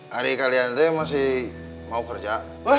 hari kalian itu masih mau kerja